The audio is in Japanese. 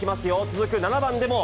続く７番でも。